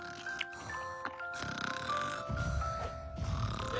はあ！？